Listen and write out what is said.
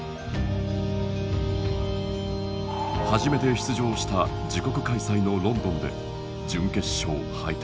初めて出場した自国開催のロンドンで準決勝敗退。